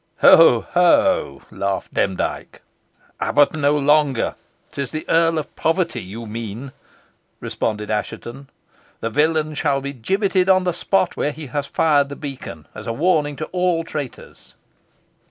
"Ho! ho!" laughed Demdike. "Abbot no longer 'tis the Earl of Poverty you mean," responded Assheton. "The villain shall be gibbeted on the spot where he has fired the beacon, as a warning to all traitors."